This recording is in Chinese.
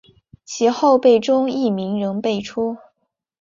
其后辈中亦名人辈出。